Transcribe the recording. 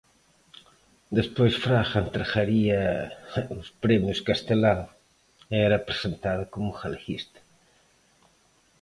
Despois Fraga entregaría os premios Castelao e era presentado como galeguista.